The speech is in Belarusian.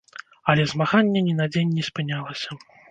Але змаганне ні на дзень не спынялася.